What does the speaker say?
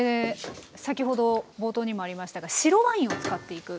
先ほど冒頭にもありましたが白ワインを使っていく。